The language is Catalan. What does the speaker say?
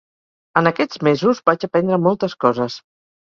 En aquests mesos vaig aprendre moltes coses.